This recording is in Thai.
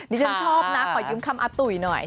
ฉันชอบนะขอยืมคำอาตุ๋ยหน่อย